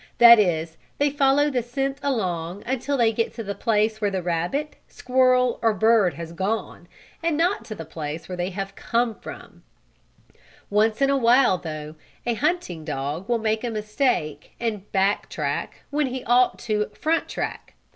That is they follow the scent along until they get to the place where the rabbit, squirrel or bird has gone, and not to the place where they have come from. Once in a while, though, a hunting dog will make a mistake and "back track" when he ought to "front track."